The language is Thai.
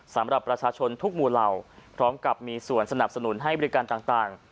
สำหรับประชาชนทุกหมู่เหล่าพร้อมกับมีส่วนสนับสนุนให้บริการต่าง